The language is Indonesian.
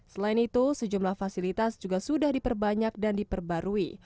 selain itu sejumlah fasilitas juga sudah diperbanyak dan diperbarui